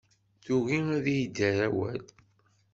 Tugi ad iyi-d-terr awal.